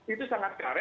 itu sangat karet